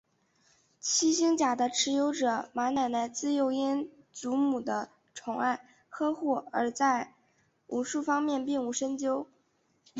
七星甲的持有者马奶奶自幼因祖母的宠爱呵护而在武术方面并无深究。